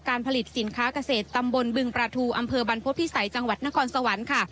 ผลิตสินค้าเกษตรตำบลบึงประทูอำเภอบรรพฤษภิษัยจังหวัดนครสวรรค์ค่ะ